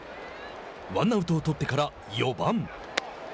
ワンアウトを取ってから４番。